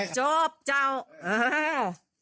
จบเจ้าอ่า